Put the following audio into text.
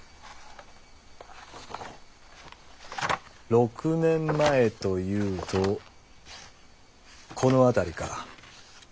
６年前というとこの辺りか。